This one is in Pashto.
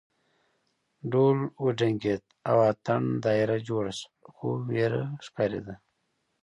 ډول وډنګېد او اتڼ دایره جوړه شوه خو وېره ښکارېده.